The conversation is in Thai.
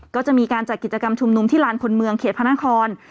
ก็จะมีการจัดกิจกรรมชุมนุมที่ลานคนเมืองเขตพระนคร